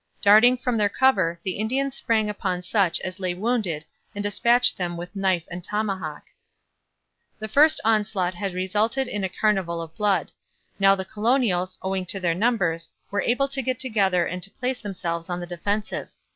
Darting from their cover, the Indians sprang upon such as lay wounded and dispatched them with knife and tomahawk. The first onslaught had resulted in a carnival of blood. Now the colonials, owing to their numbers, were able to get together and to place themselves on the defensive.